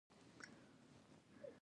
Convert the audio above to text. غوماشې ته باید جدي پام وشي.